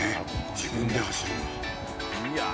自分で走るの？